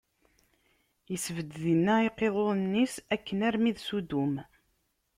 Isbedd dinna iqiḍunen-is, akken armi d Sudum.